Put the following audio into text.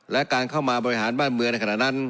และการเข้ามาบริหารบ้านเมืองในขณะนั้น